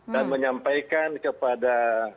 dan menyampaikan kepada